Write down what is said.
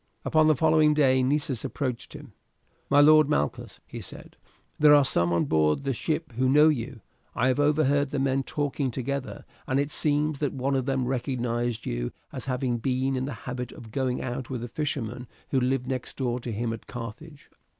Upon the following day Nessus approached him. "My lord Malchus," he said, "there are some on board the ship who know you. I have overheard the men talking together, and it seems that one of them recognized you as having been in the habit of going out with a fisherman who lived next door to him at Carthage."